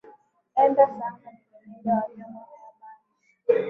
edda sanga ni meneja wa vyombo vya habari